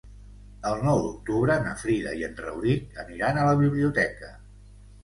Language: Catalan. El nou d'octubre na Frida i en Rauric aniran a la biblioteca.